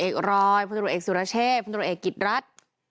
คุณตรวจเอกสุราเชฟคุณตรวจเอกกิจรัฐ